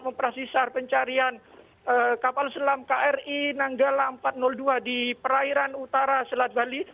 memprasisar pencarian kapal selam kri nanggala empat ratus dua di perairan utara selat bali